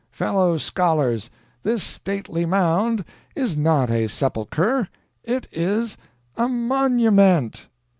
Fellow scholars, this stately Mound is not a sepulcher, it is a monument!"